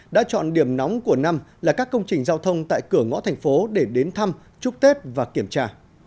đã chọn điểm nóng của năm là các công trình giao thông tại cửa ngõ thành phố để đến thăm chúc tết và kiểm tra